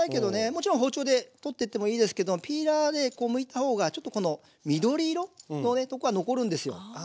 もちろん包丁で取ってってもいいですけどピーラーでむいた方がちょっとこの緑色のとこが残るんですよ。